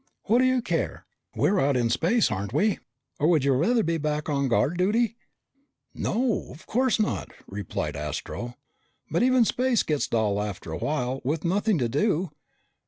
"What do you care? We're out in space, aren't we? Or would you rather be back on guard duty?" "No, of course not," replied Astro. "But even space gets dull after a while with nothing to do.